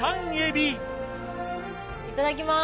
いただきます。